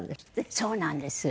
そうなんです。